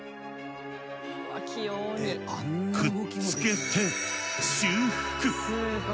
くっつけて修復！